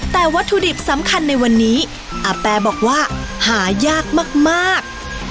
แต่วัตถุดิบสำคัญในวันนี้อาแปบอกว่าหายากมาก